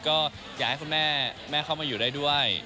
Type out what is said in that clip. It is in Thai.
ก็อยากให้คุณแม่แม่เข้ามาอยู่ได้ด้วย